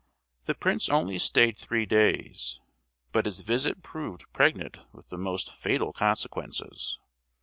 The prince only stayed three days, but his visit proved pregnant with the most fatal consequences.